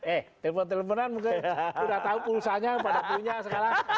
eh telepon teleponan mungkin sudah tahu pulsanya pada punya sekarang